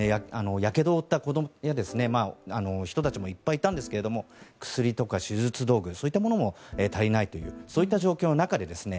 やけどを負った子供たちもいっぱいいたんですけれども薬とか手術道具そういったものも足りないというそういった状況の中でですね